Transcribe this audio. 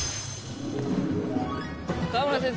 川村先生